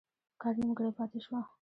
کار نیمګړی پاته شو.